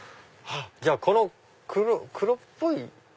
じゃあこの黒っぽい。